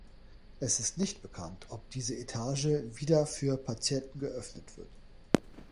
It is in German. Es ist nicht bekannt, ob diese Etage wieder für Patienten geöffnet wird.